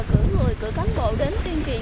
cử người cử cán bộ đến tuyên truyền